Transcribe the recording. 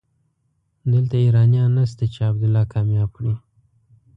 دلته ايرانيان نشته چې عبدالله کامياب کړي.